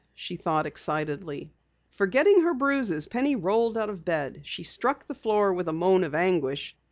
she thought excitedly. Forgetting her bruises, Penny rolled out of bed. She struck the floor with a moan of anguish.